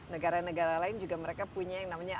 negara negara lain juga mereka punya yang namanya